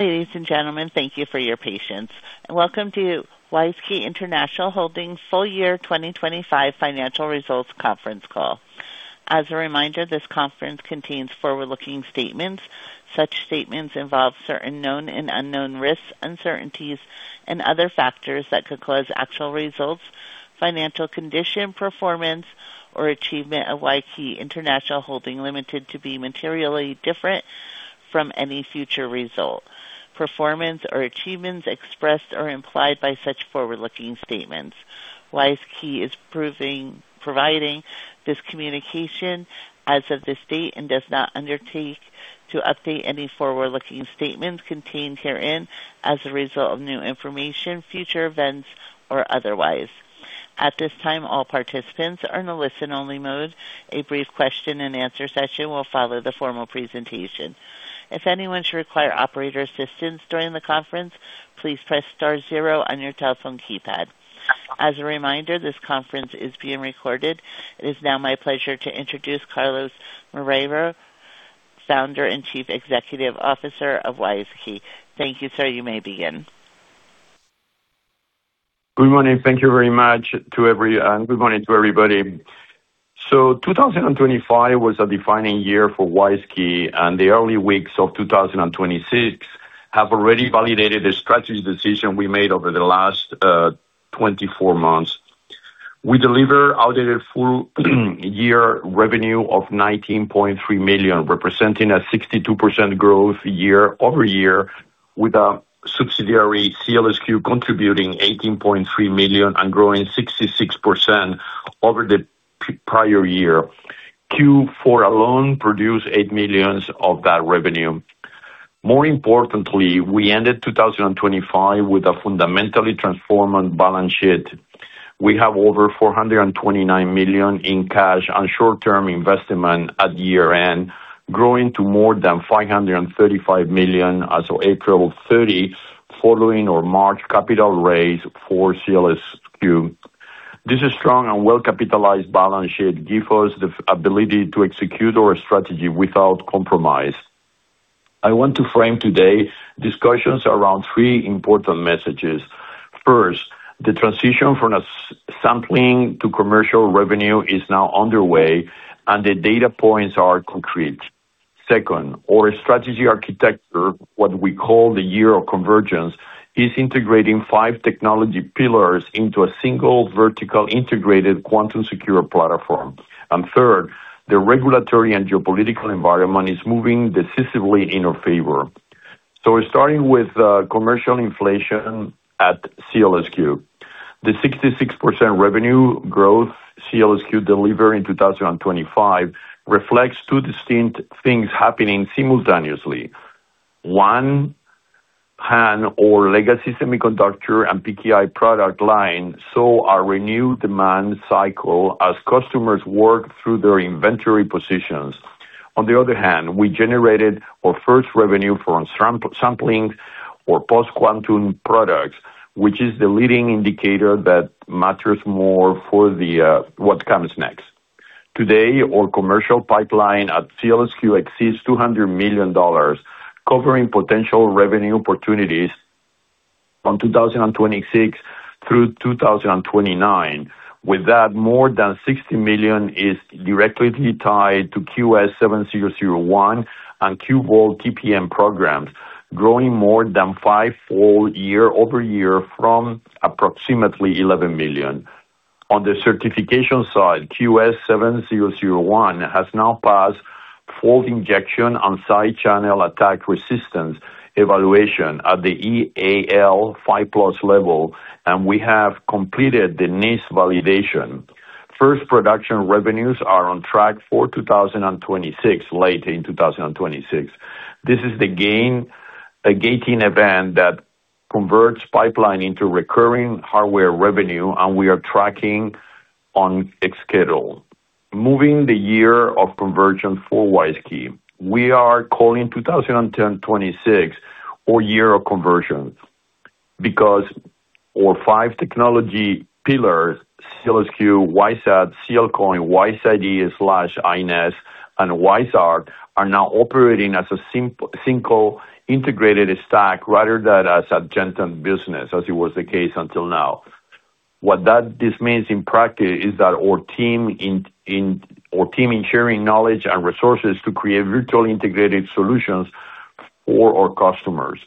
Ladies and gentlemen, thank you for your patience, and welcome to WISeKey International Holding's full year 2025 financial results conference call. As a reminder, this conference contains forward-looking statements. Such statements involve certain known and unknown risks, uncertainties, and other factors that could cause actual results, financial condition, performance, or achievements of WISeKey International Holding Ltd to be materially different from any future result, performance, or achievements expressed or implied by such forward-looking statements. WISeKey is providing this communication as of this date and does not undertake to update any forward-looking statements contained herein as a result of new information, future events, or otherwise. At this time, all participants are in a listen-only mode. A brief question and answer session will follow the formal presentation. If anyone should require operator assistance during the conference, please press star zero on your telephone keypad. As a reminder, this conference is being recorded. It is now my pleasure to introduce Carlos Moreira, Founder and Chief Executive Officer of WISeKey. Thank you, sir. You may begin. Good morning. Thank you very much to everybody. 2025 was a defining year for WISeKey, and the early weeks of 2026 have already validated the strategy decision we made over the last 24 months. We delivered audited full year revenue of 19.3 million, representing a 62% growth year-over-year, with a subsidiary, SEALSQ, contributing 18.3 million and growing 66% over the prior year. Q4 alone produced 8 million of that revenue. More importantly, we ended 2025 with a fundamentally transformed balance sheet. We have over 429 million in cash and short-term investment at year-end, growing to more than 535 million as of April 30 following our March capital raise for SEALSQ. This strong and well-capitalized balance sheet give us the ability to execute our strategy without compromise. I want to frame today discussions around three important messages. First, the transition from a sampling to commercial revenue is now underway, and the data points are concrete. Second, our strategy architecture, what we call the year of convergence, is integrating five technology pillars into a single vertical integrated quantum secure platform. Third, the regulatory and geopolitical environment is moving decisively in our favor. We're starting with commercial inflation at SEALSQ. The 66% revenue growth SEALSQ delivered in 2025 reflects two distinct things happening simultaneously. One, PAN, our legacy semiconductor and PKI product line, saw a renewed demand cycle as customers work through their inventory positions. On the other hand, we generated our first revenue from sampling or post-quantum products, which is the leading indicator that matters more for the what comes next. Today, our commercial pipeline at SEALSQ exceeds $200 million, covering potential revenue opportunities from 2026 through 2029. With that, more than $60 million is directly tied to QS7001 and QVault TPM programs, growing more than five full year-over-year from approximately $11 million. On the certification side, QS7001 has now passed fault injection and side-channel attack resistance evaluation at the EAL5+ level, and we have completed the NIST validation. First production revenues are on track for 2026, late in 2026. This is a gating event that converts pipeline into recurring hardware revenue, and we are tracking on its schedule. Moving the year of conversion for WISeKey. We are calling 2026 our year of conversion because our five technology pillars, SEALSQ, WISeSat, SEALCOIN, WISeID / INES, and WISe.ART, are now operating as a single integrated stack rather than as adjacent business as it was the case until now. What this means in practice is that our team in sharing knowledge and resources to create virtual integrated solutions for our customers.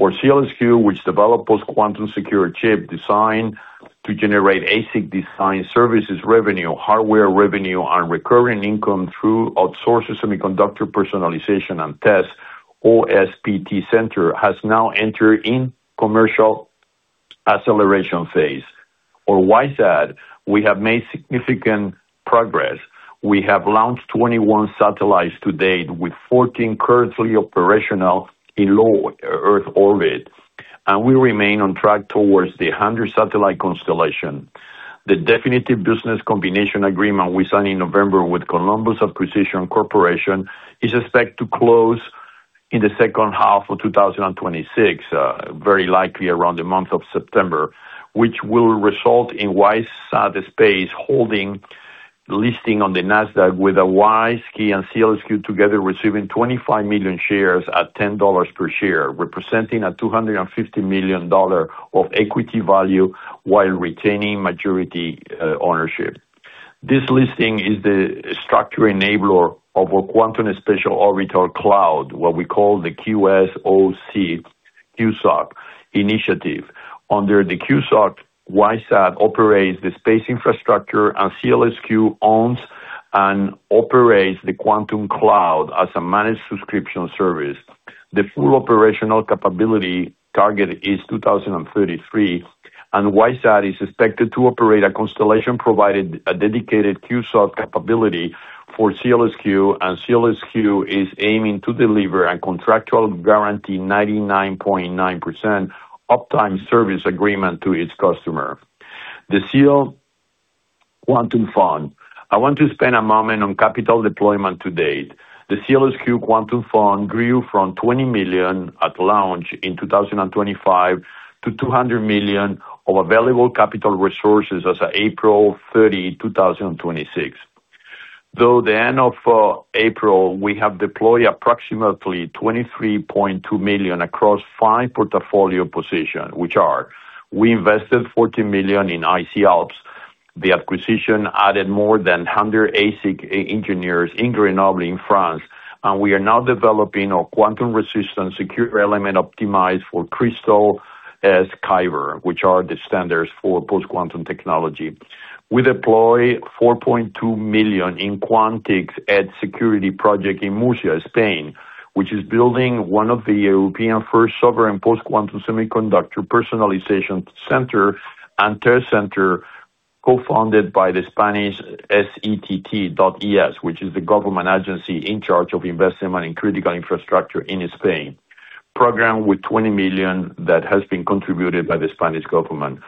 Our SEALSQ, which develop post-quantum secure chip design to generate ASIC design services revenue, hardware revenue, and recurring income through outsourced semiconductor personalization and tests or SPT center, has now entered in commercial acceleration phase. Our WISeSat, we have made significant progress. We have launched 21 satellites to date with 14 currently operational in low earth orbit, and we remain on track towards the 100 satellite constellation. The definitive business combination agreement we signed in November with Columbus Acquisition Corporation is expected to close in the second half of 2026, very likely around the month of September, which will result in WISeSat.space Holdings The listing on the NASDAQ with a WISeKey and SEALSQ together receiving 25 million shares at $10 per share, representing a $250 million of equity value while retaining majority ownership. This listing is the structure enabler of our quantum special orbital cloud, what we call the QSOC initiative. Under the QSOC, WISeSat operates the space infrastructure and SEALSQ owns and operates the quantum cloud as a managed subscription service. The full operational capability target is 2033, and WISeSat is expected to operate a constellation provided a dedicated QSOC capability for SEALSQ. And SEALSQ is aiming to deliver a contractual guarantee 99.9% uptime service agreement to its customer. The SEALSQ Quantum Fund. I want to spend a moment on capital deployment to date. The SEALSQ Quantum Fund grew from 20 million at launch in 2025 to 200 million of available capital resources as of April 30, 2026. Though the end of April, we have deployed approximately 23.2 million across five portfolio positions, which are. We invested 14 million in IC'Alps. The acquisition added more than 100 ASIC engineers in Grenoble in France, and we are now developing a quantum-resistant secure element optimized for CRYSTALS-Kyber, which are the standards for post-quantum technology. We deploy 4.2 million in Quantix Edge Security project in Murcia, Spain, which is building one of the European first sovereign post-quantum semiconductor personalization center and third center co-funded by the Spanish SETT.es, which is the government agency in charge of investing money in critical infrastructure in Spain. Program with 20 million that has been contributed by the Spanish government.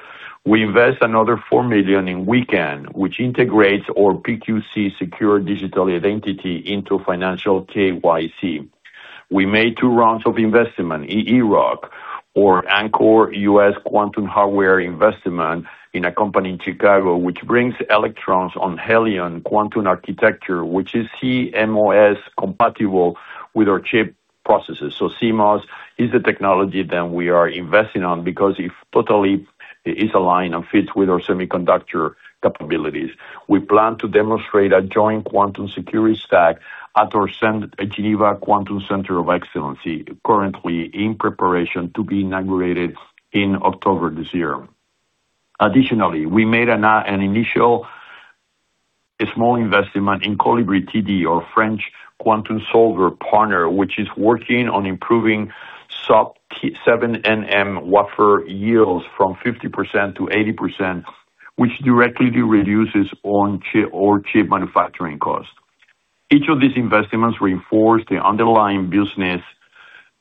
We invest another 4 million in WeCan Group, which integrates our PQC secure digital identity into financial KYC. We made two rounds of investment in EeroQ or our U.S. Quantum Hardware investment in a company in Chicago, which brings electrons on helium quantum architecture, which is CMOS compatible with our chip processes. CMOS is the technology that we are investing on because it totally is aligned and fits with our semiconductor capabilities. We plan to demonstrate a joint quantum security stack at our Geneva Quantum Center of Excellence, currently in preparation to be inaugurated in October this year. Additionally, we made an initial small investment in ColibriTD, our French quantum solver partner, which is working on improving sub-7 nm wafer yields from 50%-80%, which directly reduces our chip manufacturing cost. Each of these investments reinforce the underlying business.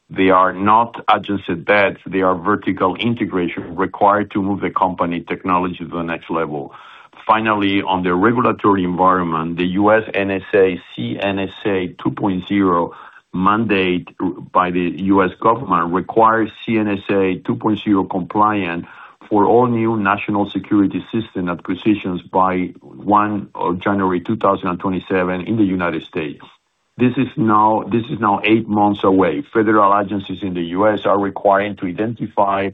They are not adjacent bets, they are vertical integration required to move the company technology to the next level. On the regulatory environment, the U.S. CNSA 2.0 mandate by the U.S. government requires CNSA 2.0 compliant for all new national security system acquisitions by January 1, 2027 in the United States. This is now eight months away. Federal agencies in the U.S. are required to identify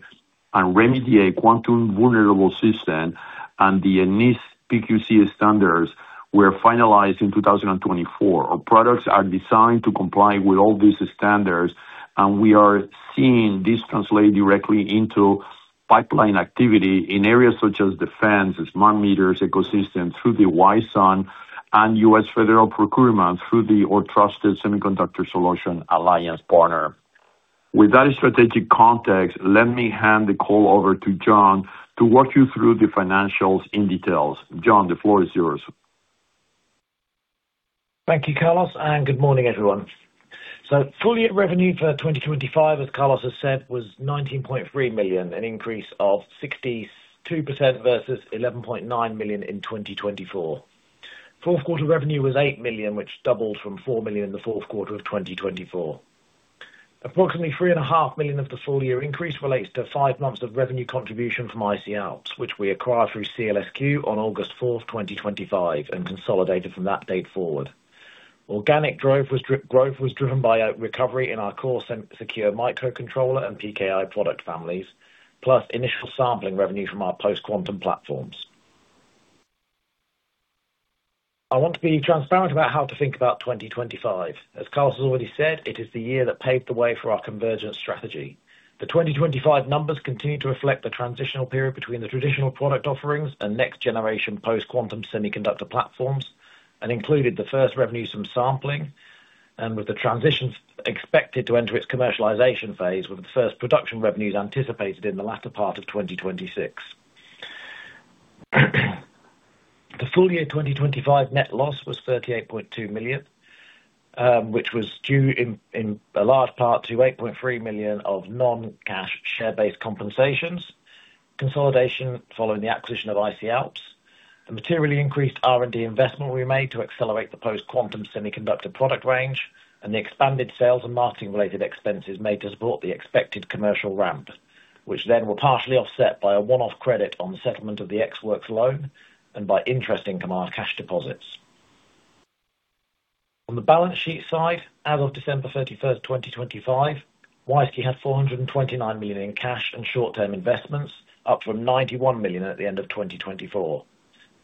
and remediate quantum vulnerable system. The NIST PQC standards were finalized in 2024. Our products are designed to comply with all these standards. We are seeing this translate directly into pipeline activity in areas such as defense, smart meters, ecosystem through the WISeSat and U.S. federal procurement through our Trusted Semiconductor Solution Alliance partner. With that strategic context, let me hand the call over to John to walk you through the financials in details. John, the floor is yours. Thank you, Carlos, and good morning, everyone. Full year revenue for 2025, as Carlos has said, was 19.3 million, an increase of 62% versus 11.9 million in 2024. Fourth quarter revenue was 8 million, which doubled from 4 million in the fourth quarter of 2024. Approximately 3.5 million of the full year increase relates to five months of revenue contribution from IC'Alps, which we acquired through SEALSQ on August 4, 2025 and consolidated from that date forward. Organic growth was driven by a recovery in our core secure microcontroller and PKI product families, plus initial sampling revenue from our post-quantum platforms. I want to be transparent about how to think about 2025. As Carlos has already said, it is the year that paved the way for our convergence strategy. The 2025 numbers continue to reflect the transitional period between the traditional product offerings and next generation post-quantum semiconductor platforms, and included the first revenue from sampling and with the transitions expected to enter its commercialization phase, with the first production revenues anticipated in the latter part of 2026. The full year 2025 net loss was 38.2 million, which was due in a large part to 8.3 million of non-cash share-based compensations, consolidation following the acquisition of IC'Alps. The materially increased R&D investment we made to accelerate the post-quantum semiconductor product range and the expanded sales and marketing related expenses made to support the expected commercial ramp. Which were partially offset by a one-off credit on the settlement of the ExWorks loan and by interest income on cash deposits. On the balance sheet side, as of December 31st, 2025, WISeKey had 429 million in cash and short term investments, up from 91 million at the end of 2024,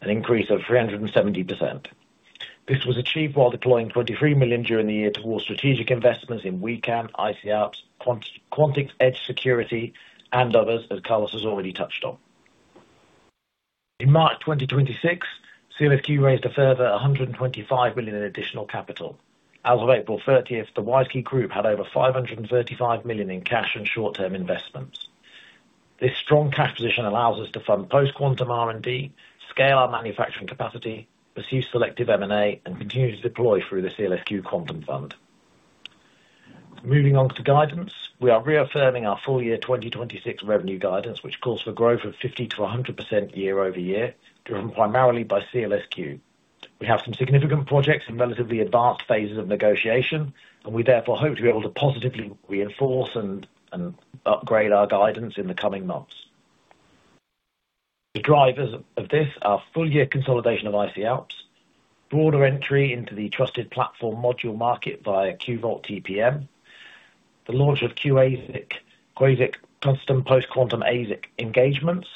an increase of 370%. This was achieved while deploying 23 million during the year towards strategic investments in WeCan, IC'Alps, Quantix Edge Security and others, as Carlos has already touched on. In March 2026, SEALSQ raised a further 125 million in additional capital. As of April 30th, the WISeKey Group had over 535 million in cash and short term investments. This strong cash position allows us to fund post quantum R&D, scale our manufacturing capacity, pursue selective M&A, and continue to deploy through the SEALSQ Quantum Fund. Moving on to guidance, we are reaffirming our full year 2026 revenue guidance, which calls for growth of 50%-100% year-over-year, driven primarily by SEALSQ. We have some significant projects in relatively advanced phases of negotiation, and we therefore hope to be able to positively reinforce and upgrade our guidance in the coming months. The drivers of this are full year consolidation of IC'Alps, broader entry into the trusted platform module market via QVault TPM, the launch of QASIC custom post quantum ASIC engagements,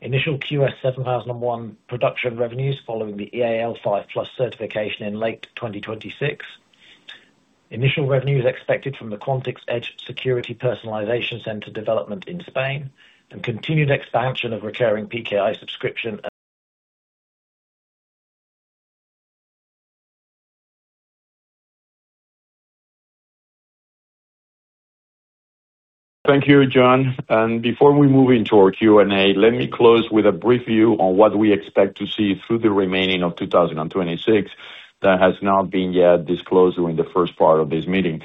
initial QS7001 production revenues following the EAL5+ certification in late 2026. Initial revenues expected from the Quantix Edge Security Personalization Center development in Spain and continued expansion of recurring PKI subscription and- Thank you, John. Before we move into our Q&A, let me close with a brief view on what we expect to see through the remaining of 2026 that has not been yet disclosed during the first part of this meeting.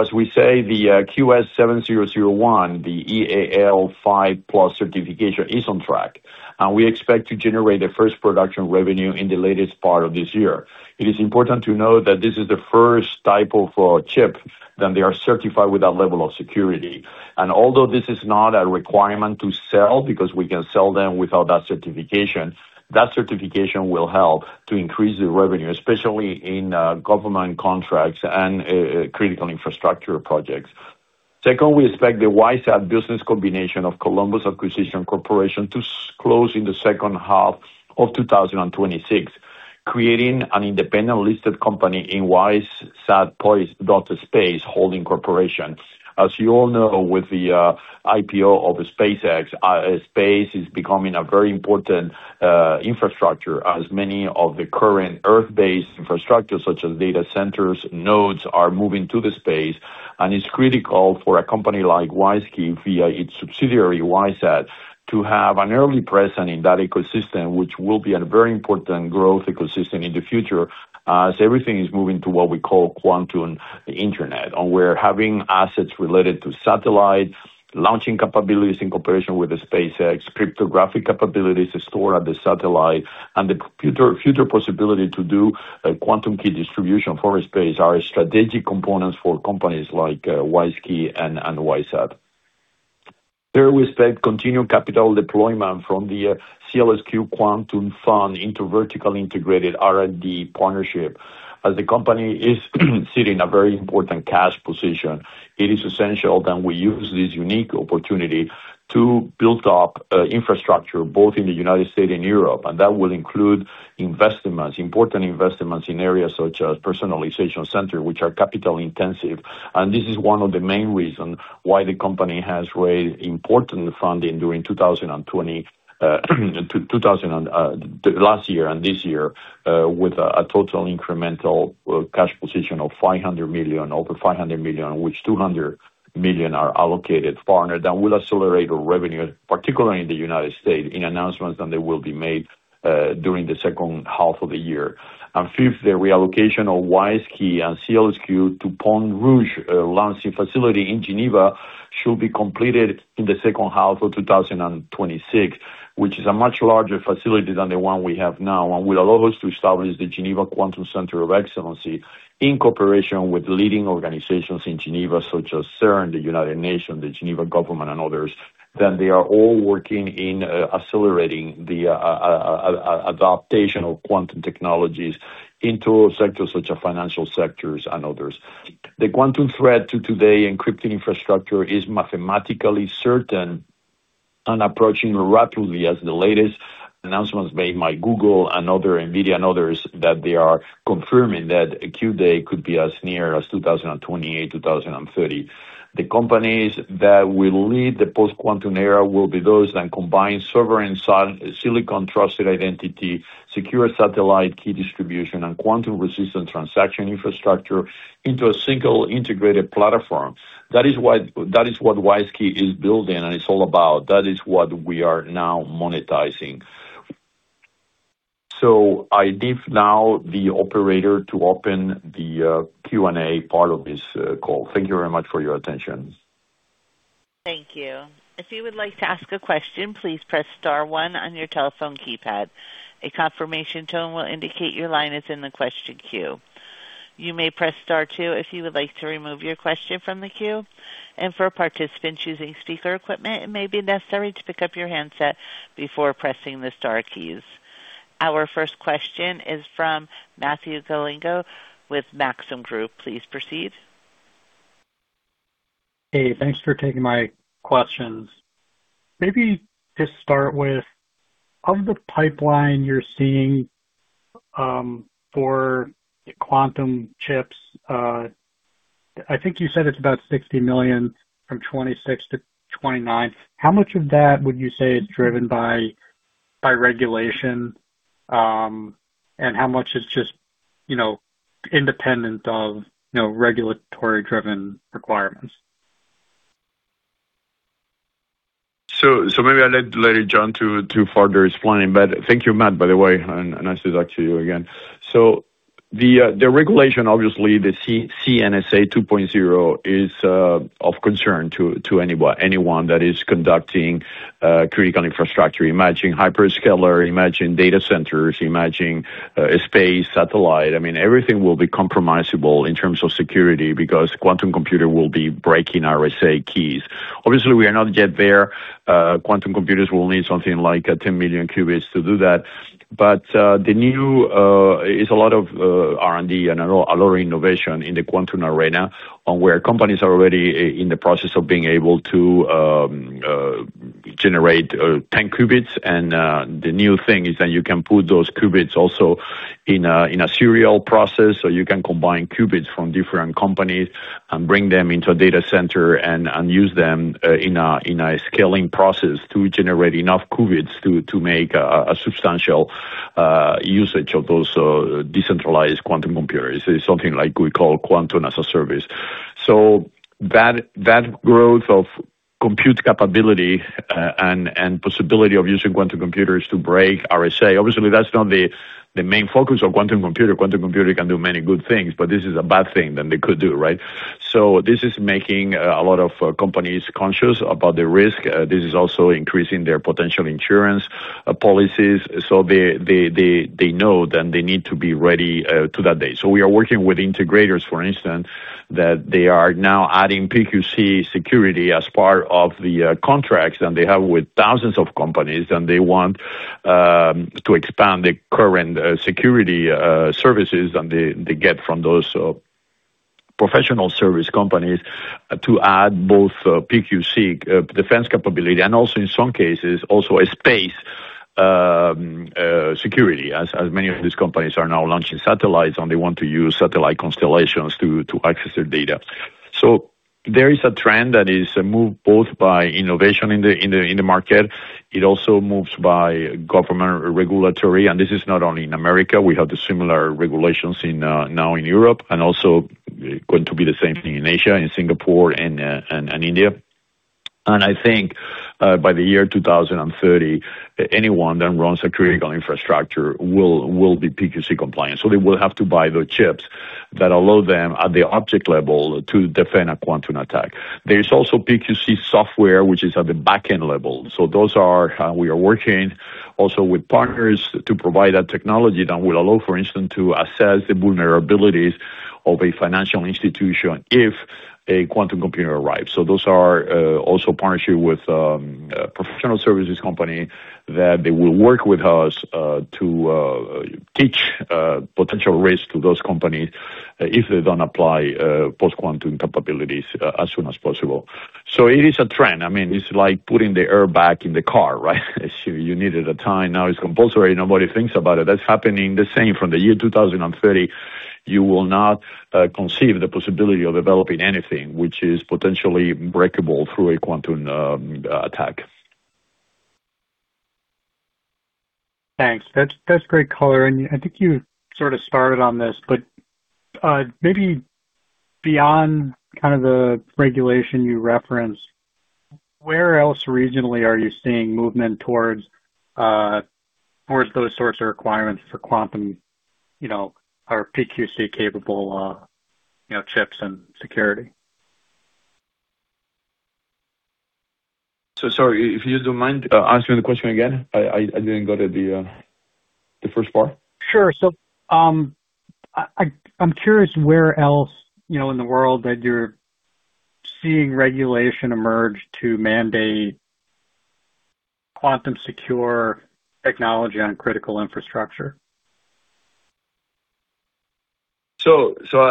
As we say, the QS7001, the EAL5+ certification is on track, and we expect to generate the first production revenue in the latest part of this year. It is important to note that this is the first type of chip that they are certified with that level of security. Although this is not a requirement to sell because we can sell them without that certification, that certification will help to increase the revenue, especially in government contracts and critical infrastructure projects. Second, we expect the WISeSat business combination of Columbus Acquisition Corporation to close in the second half of 2026, creating an independent listed company in WISeSat.space Holdings Corporation. As you all know, with the IPO of SpaceX, space is becoming a very important infrastructure as many of the current Earth-based infrastructure, such as data centers, nodes, are moving to the space. It's critical for a company like WISeKey via its subsidiary, WISeSat, to have an early presence in that ecosystem, which will be a very important growth ecosystem in the future as everything is moving to what we call quantum Internet. We're having assets related to satellite, launching capabilities in cooperation with SpaceX, cryptographic capabilities to store at the satellite, and the future possibility to do a quantum key distribution for space are strategic components for companies like WISeKey and WISeSat. Third, we expect continued capital deployment from the SEALSQ Quantum Fund into vertical integrated R&D partnership. As the company is sitting a very important cash position, it is essential that we use this unique opportunity to build up infrastructure both in the United States and Europe. That will include investments, important investments in areas such as personalization center, which are capital intensive. This is one of the main reason why the company has raised important funding during 2020, last year and this year, with a total incremental cash position of 500 million, over 500 million, which 200 million are allocated for. That will accelerate our revenue, particularly in the United States, in announcements that they will be made during the second half of the year. Fifth, the reallocation of WISeKey and SEALSQ to Lancy-Pont-Rouge facility in Geneva should be completed in the second half of 2026, which is a much larger facility than the one we have now, and will allow us to establish the Geneva Quantum Center of Excellency in cooperation with leading organizations in Geneva, such as CERN, the United Nations, the Geneva government, and others, that they are all working in accelerating the adaptation of quantum technologies into sectors such as financial sectors and others. The quantum threat to today encrypting infrastructure is mathematically certain and approaching rapidly as the latest announcements made by Google and other, NVIDIA and others, that they are confirming that Q-Day could be as near as 2028, 2030. The companies that will lead the post-quantum era will be those that combine sovereign silicon trusted identity, secure satellite key distribution, and quantum-resistant transaction infrastructure into a single integrated platform. That is what WISeKey is building and it's all about. That is what we are now monetizing. I leave now the operator to open the Q&A part of this call. Thank you very much for your attention. Thank you. If you would like to ask a question, please press star one on your telephone keypad. A confirmation tone will indicate your line is in the question queue. You may press star two if you would like to remove your question from the queue. For a participant choosing speaker equipment, it may be necessary to pick up your handset before pressing the star keys. Our first question is from Matthew Galinko with Maxim Group. Please proceed. Hey, thanks for taking my questions. Maybe just start with of the pipeline you're seeing for quantum chips. I think you said it's about 60 million from 2026 to 2029. How much of that would you say is driven by regulation, and how much is just, you know, independent of, you know, regulatory driven requirements? Maybe I'll let John to further explain. Thank you, Matt, by the way, and nice to talk to you again. The regulation, obviously, the CNSA 2.0 is of concern to anyone that is conducting critical infrastructure. Imagine hyperscaler, imagine data centers, imagine space satellite. I mean, everything will be compromisable in terms of security because quantum computer will be breaking RSA keys. Obviously, we are not yet there. Quantum computers will need something like 10 million qubits to do that. The new is a lot of R&D and a lot of innovation in the quantum arena on where companies are already in the process of being able to generate 10 qubits. The new thing is that you can put those qubits also in a serial process, so you can combine qubits from different companies and bring them into a data center and use them in a scaling process to generate enough qubits to make a substantial usage of those decentralized quantum computers. It's something like we call Quantum as a Service. That growth of compute capability and possibility of using quantum computers to break RSA, obviously that's not the main focus of quantum computer. Quantum computer can do many good things, but this is a bad thing that they could do, right? This is making a lot of companies conscious about the risk. This is also increasing their potential insurance policies, so they know that they need to be ready to that day. We are working with integrators, for instance, that they are now adding PQC security as part of the contracts that they have with thousands of companies, and they want to expand the current security services that they get from those professional service companies to add both PQC defense capability and also in some cases also a space security as many of these companies are now launching satellites and they want to use satellite constellations to access their data. There is a trend that is moved both by innovation in the market. It also moves by government regulatory, and this is not only in America. We have the similar regulations in now in Europe, and also going to be the same thing in Asia, in Singapore and India. I think, by the year 2030, anyone that runs a critical infrastructure will be PQC compliant. They will have to buy the chips that allow them at the object level to defend a quantum attack. There is also PQC software, which is at the back-end level. Those are how we are working also with partners to provide that technology that will allow, for instance, to assess the vulnerabilities of a financial institution if a quantum computer arrives. Those are also partnership with a professional services company that they will work with us to teach potential risk to those companies if they don't apply post-quantum capabilities as soon as possible. It is a trend. I mean, it's like putting the airbag in the car, right? You needed a time. Now it's compulsory, nobody thinks about it. That's happening the same from the year 2030, you will not conceive the possibility of developing anything which is potentially breakable through a quantum attack. Thanks. That's great color. I think you sort of started on this, but maybe beyond kind of the regulation you referenced, where else regionally are you seeing movement towards those sorts of requirements for quantum, you know, or PQC capable, you know, chips and security? Sorry, if you don't mind, asking the question again, I didn't get the first part. Sure. I'm curious where else, you know, in the world that you're seeing regulation emerge to mandate quantum secure technology on critical infrastructure?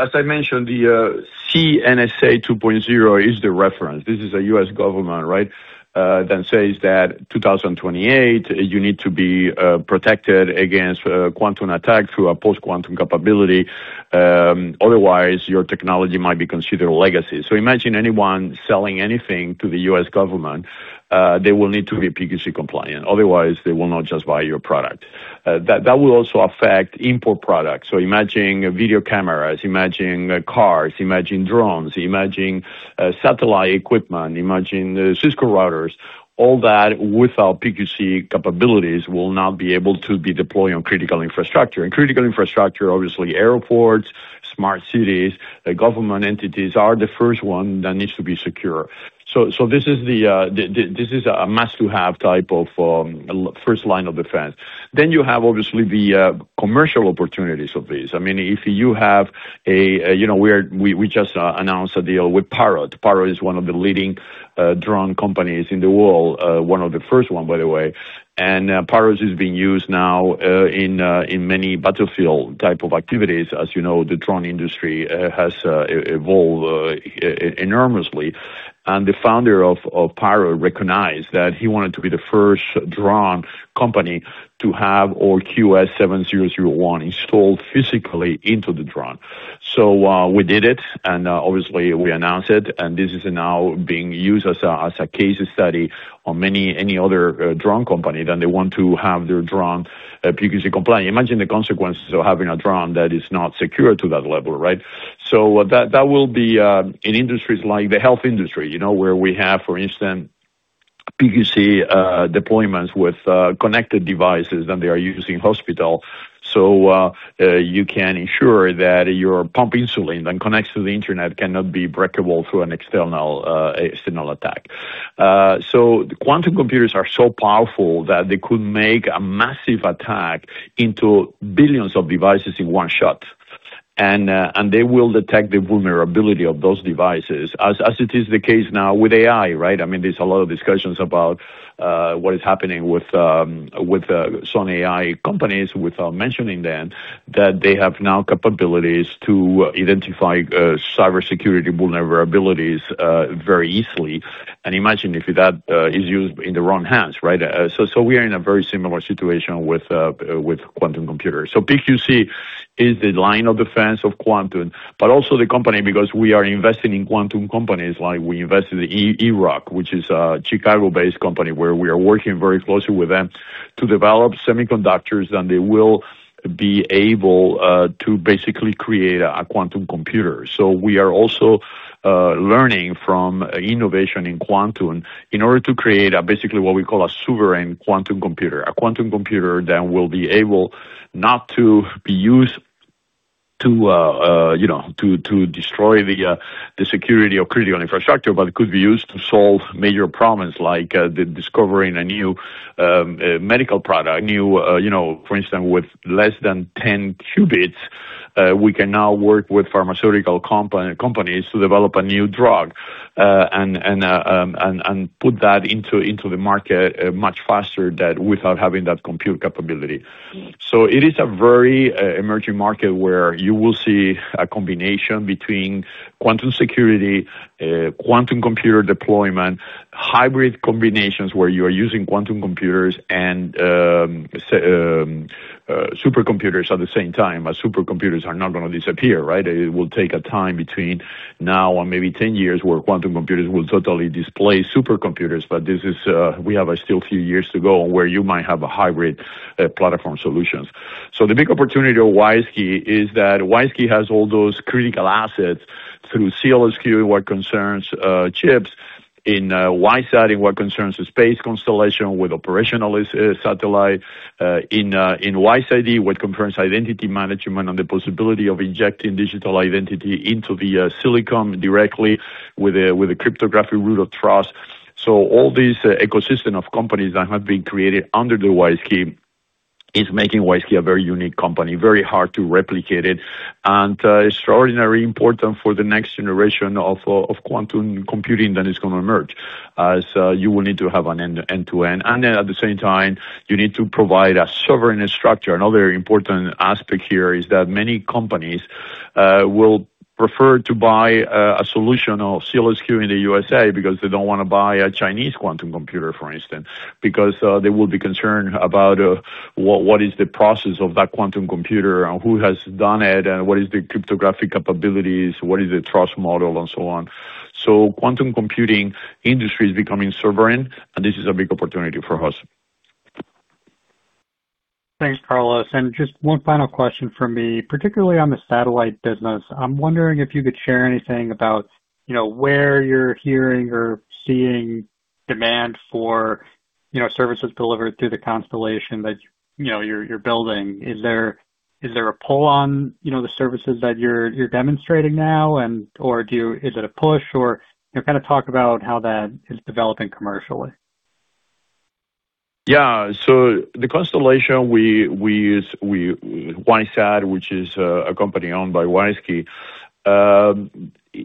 As I mentioned, the CNSA 2.0 is the reference. This is a U.S. government, right? That says that 2028, you need to be protected against quantum attack through a post-quantum capability, otherwise your technology might be considered legacy. Imagine anyone selling anything to the U.S. government, they will need to be PQC compliant, otherwise they will not just buy your product. That will also affect import products. Imagine video cameras, imagine cars, imagine drones, imagine satellite equipment, imagine Cisco routers. All that without PQC capabilities will not be able to be deployed on critical infrastructure. Critical infrastructure, obviously airports, smart cities, government entities are the first one that needs to be secure. This is the this is a must-to-have type of first line of defense. You have obviously the commercial opportunities of this. I mean, if you have a, you know, we just announced a deal with Parrot. Parrot is one of the leading drone companies in the world, one of the first one, by the way. Parrot is being used now in many battlefield type of activities. As you know, the drone industry has evolved enormously. The founder of Parrot recognized that he wanted to be the first drone company to have our QS7001 installed physically into the drone. We did it, and obviously we announced it, and this is now being used as a case study on many other drone company that they want to have their drone PQC compliant. Imagine the consequences of having a drone that is not secure to that level, right? That will be in industries like the health industry, you know, where we have, for instance, PQC deployments with connected devices that they are used in hospital. You can ensure that your pump insulin that connects to the internet cannot be breakable through an external attack. Quantum computers are so powerful that they could make a massive attack into billions of devices in one shot. They will detect the vulnerability of those devices, as it is the case now with AI, right? I mean, there's a lot of discussions about what is happening with some AI companies, without mentioning them, that they have now capabilities to identify cybersecurity vulnerabilities very easily. Imagine if that is used in the wrong hands, right? We are in a very similar situation with quantum computers. PQC is the line of defense of quantum, but also the company because we are investing in quantum companies like we invest in EeroQ, which is a Chicago-based company where we are working very closely with them to develop semiconductors, and they will be able to basically create a quantum computer. We are also learning from innovation in quantum in order to create basically what we call a sovereign quantum computer. A quantum computer that will be able not to be used to, you know, to destroy the security of critical infrastructure, but it could be used to solve major problems like discovering a new medical product. A new, you know, for instance, with less than 10 qubits, we can now work with pharmaceutical companies to develop a new drug and put that into the market much faster that without having that compute capability. It is a very emerging market where you will see a combination between quantum security, quantum computer deployment, hybrid combinations where you are using quantum computers and supercomputers at the same time, as supercomputers are not gonna disappear, right? It will take a time between now and maybe 10 years where quantum computers will totally displace supercomputers. This is, we have a still few years to go where you might have a hybrid platform solutions. The big opportunity of WISeKey is that WISeKey has all those critical assets through SEALSQ in what concerns chips, in WISeSat in what concerns the space constellation with operationalist satellite, in WISeID what concerns identity management and the possibility of injecting digital identity into the silicon directly with a, with a cryptographic Root of Trust. All these ecosystem of companies that have been created under the WISeKey is making WISeKey a very unique company, very hard to replicate it, and extraordinary important for the next generation of quantum computing that is gonna emerge, as you will need to have an end-to-end. Then at the same time, you need to provide a sovereign structure. Another important aspect here is that many companies will prefer to buy a solution of SEALSQ in the U.S.A. because they don't wanna buy a Chinese quantum computer, for instance, because they will be concerned about what is the process of that quantum computer and who has done it and what is the cryptographic capabilities, what is the trust model, and so on. Quantum computing industry is becoming sovereign, and this is a big opportunity for us. Thanks, Carlos. Just one final question from me, particularly on the satellite business. I'm wondering if you could share anything about, you know, where you're hearing or seeing demand for, you know, services delivered through the constellation that, you know, you're building. Is there a pull on, you know, the services that you're demonstrating now or is it a push or, you know, kind of talk about how that is developing commercially. Yeah. The constellation we use, WISeSat, which is a company owned by WISeKey,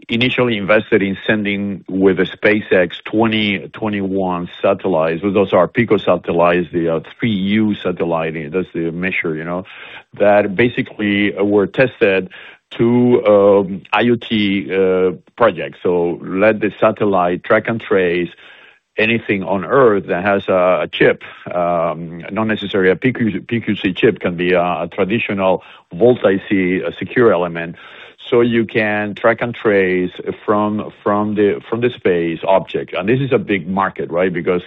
initially invested in sending with a SpaceX 2021 satellites. Those are picosatellites, the 3U satellite. That's the measure, you know. That basically were tested to IoT projects. Let the satellite track and trace anything on Earth that has a chip. Not necessarily a PQC chip, can be a traditional VaultIC secure element. You can track and trace from the, from the space object. This is a big market, right? Because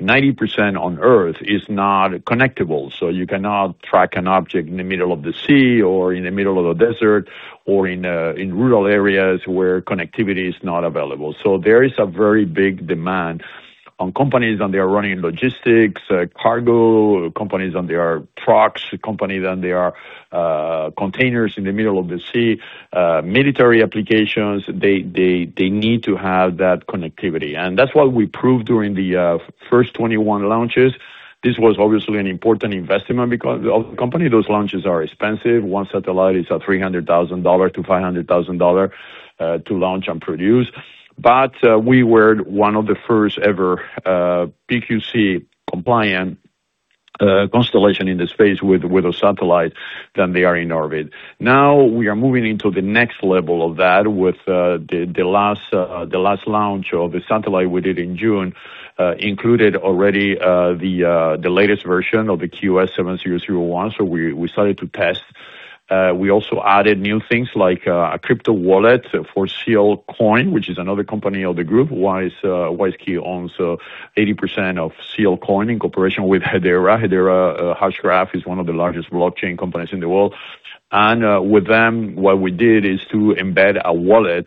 90% on Earth is not connectable. You cannot track an object in the middle of the sea or in the middle of the desert or in rural areas where connectivity is not available. There is a very big demand on companies and they are running logistics, cargo companies, and there are trucks company, then there are containers in the middle of the sea, military applications. They need to have that connectivity. That's what we proved during the first 21 launches. This was obviously an important investment because of the company. Those launches are expensive. One satellite is at $300,000-$500,000 to launch and produce. We were one of the first ever PQC compliant constellation in the space with a satellite that are in orbit. Now we are moving into the next level of that with the last the last launch of the satellite we did in June, included already the latest version of the QS7001. We started to test. We also added new things like a crypto wallet for SEALCOIN, which is another company of the group. WISeKey owns 80% of SEALCOIN in cooperation with Hedera. Hedera Hashgraph is one of the largest blockchain companies in the world. With them, what we did is to embed a wallet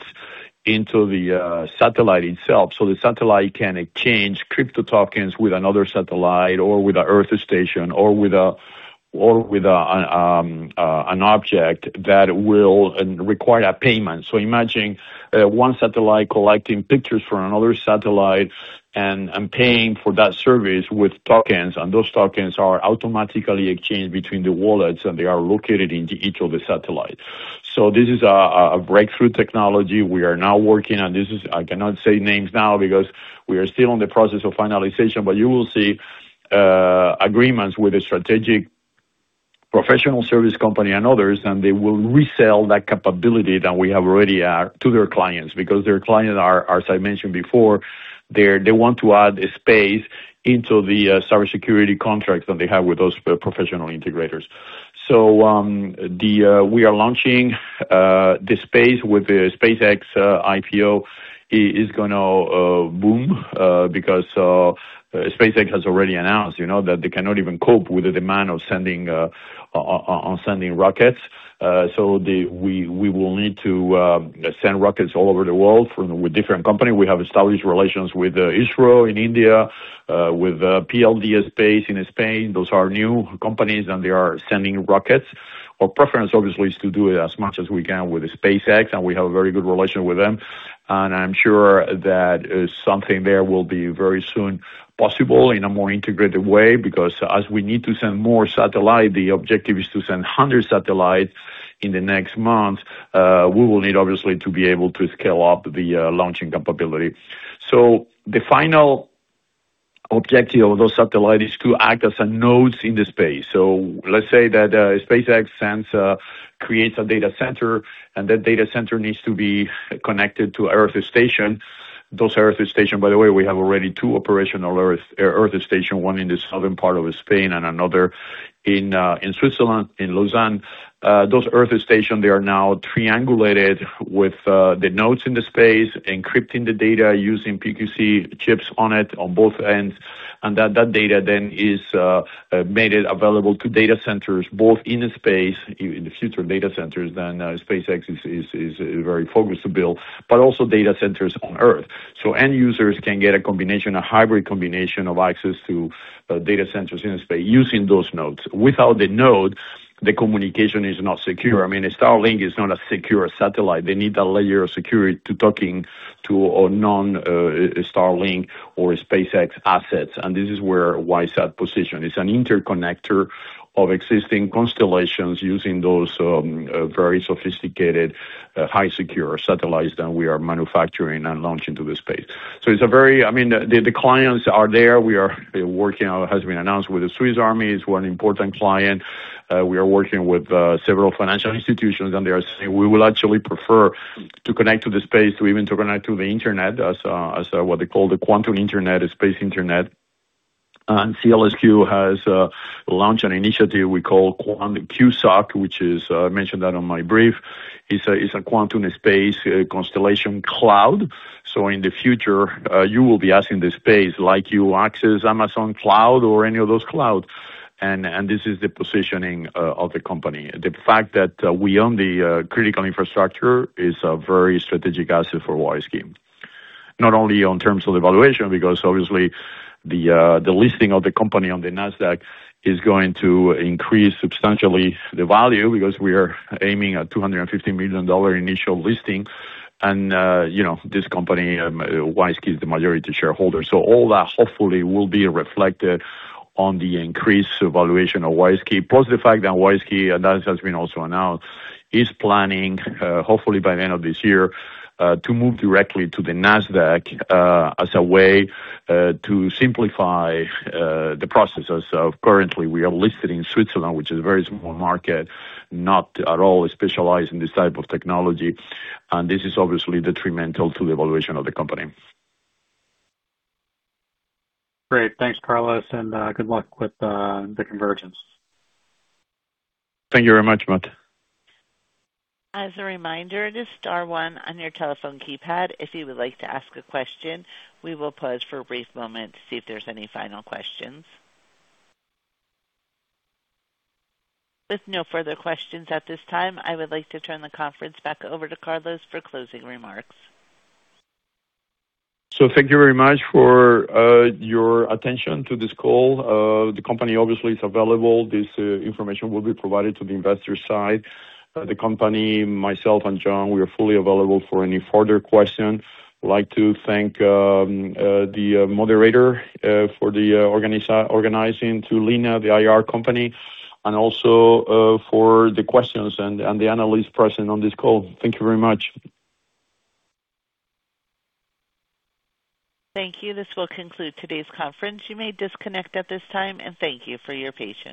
into the satellite itself, so the satellite can exchange crypto tokens with another satellite or with a earth station or with a or with a an object that will require a payment. Imagine, one satellite collecting pictures for another satellite and paying for that service with tokens, and those tokens are automatically exchanged between the wallets, and they are located in each of the satellites. This is a breakthrough technology. We are now working on this. I cannot say names now because we are still in the process of finalization, but you will see agreements with a strategic professional service company and others, and they will resell that capability that we have already to their clients because their clients are, as I mentioned before, they want to add space into the cybersecurity contracts that they have with those professional integrators. We are launching the space with the SpaceX IPO is gonna boom because SpaceX has already announced, you know, that they cannot even cope with the demand of sending on sending rockets. We will need to send rockets all over the world with different company. We have established relations with ISRO in India, with PLD Space in Spain. Those are new companies, and they are sending rockets. Our preference obviously is to do it as much as we can with SpaceX, and we have a very good relationship with them. I'm sure that something there will be very soon possible in a more integrated way because as we need to send more satellite, the objective is to send 100 satellites in the next month. We will need obviously to be able to scale up the launching capability. The final objective of those satellite is to act as a nodes in the space. Let's say that SpaceX sends creates a data center, and that data center needs to be connected to earth station. Those earth station, by the way, we have already two operational earth station, one in the southern part of Spain and another in Switzerland, in Lausanne. Those earth station, they are now triangulated with the nodes in the space, encrypting the data using PQC chips on it on both ends, and that data then is made available to data centers both in the space, in the future data centers than SpaceX is very focused to build, but also data centers on Earth. End users can get a combination, a hybrid combination of access to data centers in the space using those nodes. Without the node, the communication is not secure. I mean, Starlink is not a secure satellite. They need a layer of security to talking to a non-Starlink or a SpaceX assets. This is where WISeSat position. It's an interconnector of existing constellations using those very sophisticated high secure satellites that we are manufacturing and launching to the space. It's a very I mean, the clients are there. We are working has been announced with the Swiss Army is one important client. We are working with several financial institutions, they are saying, "We will actually prefer to connect to the space to even to connect to the Internet as what they call the quantum Internet, space Internet." SEALSQ has launched an initiative we call QSOC, which is, I mentioned that on my brief. It's a quantum space constellation cloud. In the future, you will be asking the space like you access Amazon Cloud or any of those clouds. This is the positioning of the company. The fact that we own the critical infrastructure is a very strategic asset for WISeKey, not only on terms of evaluation because obviously the listing of the company on the NASDAQ is going to increase substantially the value because we are aiming at $250 million initial listing. You know, this company, WISeKey is the majority shareholder. All that hopefully will be reflected on the increased valuation of WISeKey, plus the fact that WISeKey, and that has been also announced, is planning hopefully by the end of this year to move directly to the NASDAQ as a way to simplify the processes. Currently we are listed in Switzerland, which is a very small market, not at all specialized in this type of technology. This is obviously detrimental to the evaluation of the company. Great. Thanks, Carlos, and good luck with the convergence. Thank you very much, Matt. As a reminder, it is star one on your telephone keypad, if you would like to ask a question. We will pause for a brief moment to see if there's any final questions. With no further questions at this time, I would like to turn the conference back over to Carlos for closing remarks. Thank you very much for your attention to this call. The company obviously is available. This information will be provided to the investor side. The company, myself and John, we are fully available for any further question. I'd like to thank the moderator for the organizing, to Lena, the IR company, and also for the questions and the analyst present on this call. Thank you very much. Thank you. This will conclude today's conference. You may disconnect at this time, and thank you for your patience.